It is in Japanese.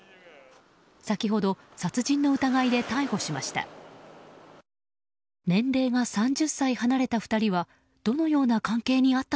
先ほど殺人の疑いで逮捕しました。